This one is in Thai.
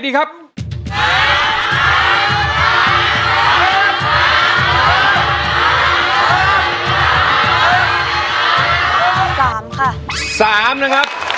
ใช้